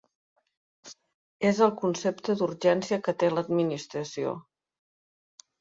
És el concepte d’urgència que té l’administració.